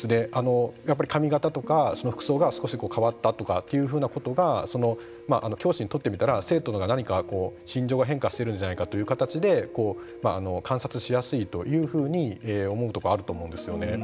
やっぱり髪型とか服装が少し変わったとかというふうなことが教師にとってみたら生徒の、何か心情が変化してるんじゃないかという形で観察しやすいというふうに思うところはあると思うんですよね。